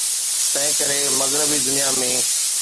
تنهنڪري مغربي دنيا ۾.